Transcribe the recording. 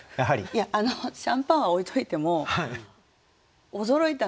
いやあのシャンパンは置いといても驚いたんですよ。